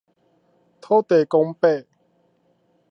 土地公伯